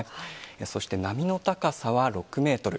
そして波の高さは６メートル。